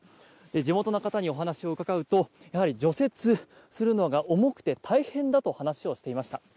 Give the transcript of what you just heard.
地元の方にお話を伺うとやはり除雪するのが重くて大変だと話をしていました。